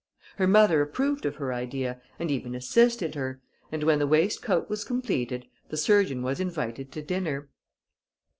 Her mother approved of her idea, and even assisted her, and when the waistcoat was completed, the surgeon was invited to dinner.